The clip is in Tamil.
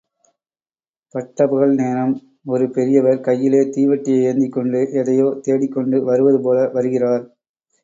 பட்டப்பகல் நேரம் ஒரு பெரியவர் கையிலே தீவட்டியை ஏந்திக்கொண்டு எதையோ தேடிக்கொண்டு வருவது போல வருகிறார்.